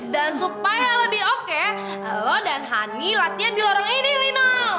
dan supaya lebih oke lo dan hani latihan di lorong ini linol